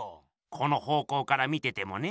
この方向から見ててもね。